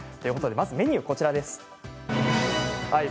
メニューはこちらです。